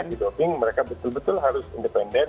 untuk jalan berjalan di doping mereka betul betul harus independen